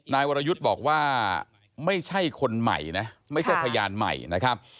นายวรยุทธ์บอกว่าไม่ใช่คนใหม่นะไม่ใช่พยานใหม่นะครับ